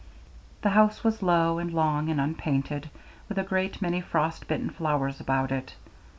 The house was low and long and unpainted, with a great many frost bitten flowers about it.